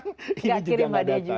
tidak kirimlah dia juga